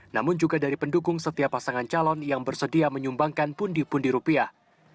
namun juga dari pendukung setiap pasangan calon yang bersedia menyumbangkan pundi pundi rupiah